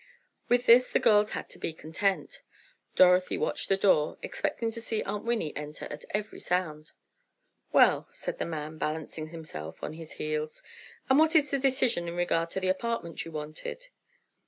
With this the girls had to be content. Dorothy watched the door, expecting to see Aunt Winnie enter at every sound. "Well," said the man, balancing himself on his heels, "and what is the decision in regard to the apartment you wanted?"